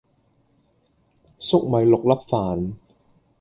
栗米六粒飯